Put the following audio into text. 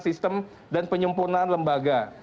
sistem dan penyempurnaan lembaga